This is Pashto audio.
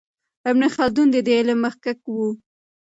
ابن خلدون د دې علم مخکښ و.